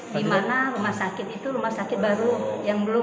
di mana rumah sakit itu rumah sakit baru yang belum